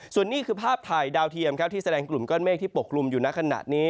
ส่วนนี้คือภาพถ่ายดาวเทียมครับที่แสดงกลุ่มก้อนเมฆที่ปกลุ่มอยู่ในขณะนี้